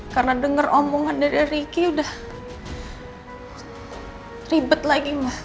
karena dengar omongan dari ricky udah ribet lagi mah